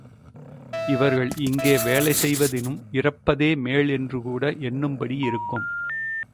இவர்கள் இங்கு வேலை செய்வதினும் இறப்பதே மேல் என்று கூட எண்ணும்படி இருக்கும்.